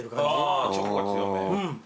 ああチョコが強め。